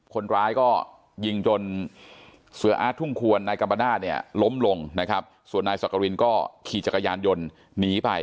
คนร้ายก็ยิงจนเสืออาร์ตทุ่งควรนายกัมปนาศเนี่ยล้มลงนะครับส่วนนายสักกรินก็ขี่จักรยานยนต์หนีไป